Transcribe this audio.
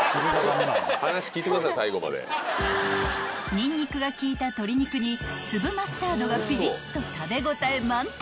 ［にんにくが効いた鶏肉に粒マスタードがピリッと食べ応え満点］